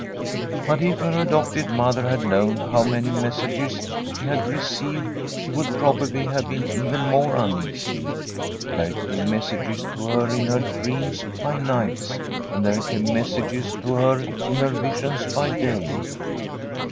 But if her adopted mother had known how many messages she had received she would probably have been even more uneasy. There came messages to her in her dreams by nights, and there came messages to her in her visions by day.